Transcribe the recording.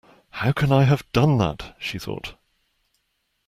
‘How can I have done that?’ she thought.